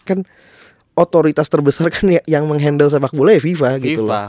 dan otoritas terbesar kan yang menghandle sepak bola ya fifa gitu loh